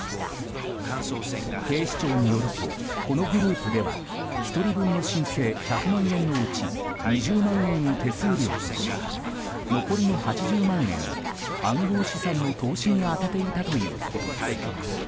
警視庁によるとこのグループでは１人分の申請１００万円のうち２０万円を手数料とし残りの８０万円を暗号資産の投資に充てていたということです。